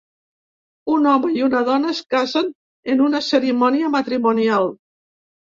Un home i una dona es casen en una cerimònia matrimonial.